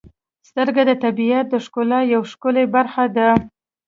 • سترګې د طبیعت د ښکلا یو ښکلی برخه ده.